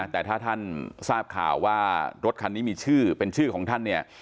แต่ถ้าท่านทราบข่าวว่ารถคันนี้มีชื่อเป็นชื่อของท่านเนี่ย